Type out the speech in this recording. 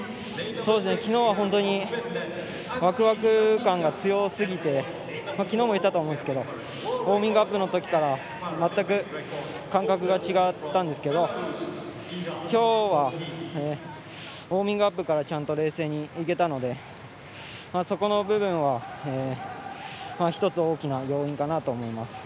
きのうは本当にワクワク感が強すぎてきのうも言ったと思うんですがウォームアップのときから全く感覚が違ったんですけどきょうは、ウォームアップから冷静にいけたのでそこの部分は１つ大きな要因かなと思います。